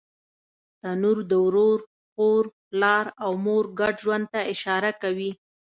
تنور د ورور، خور، پلار او مور ګډ ژوند ته اشاره کوي